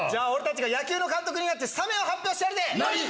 野球の監督になってスタメンを発表してやるぜ！